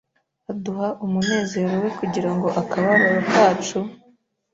aduha umunezero we Kugira ngo akababaro kacu